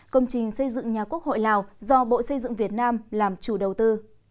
công trình xây dựng nhà quốc hội lào do bộ xây dựng việt nam làm chủ đầu tư